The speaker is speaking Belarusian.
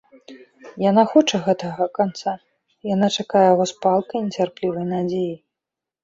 Яна хоча гэтага канца, яна чакае яго з палкай нецярплівай надзеяй.